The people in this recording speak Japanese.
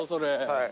はい。